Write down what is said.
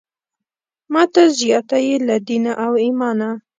ماته زیاته یې له دینه او ایمانه.